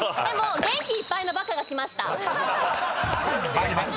［参ります。